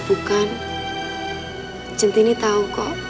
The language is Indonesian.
gue ga tahu